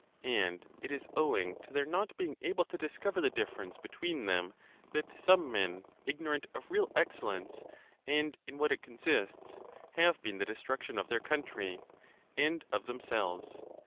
And it is owing to their not being able to discover the difference between them that some men, ignorant of real excellence, and in what it consists, have been the destruction of their country and of them selves.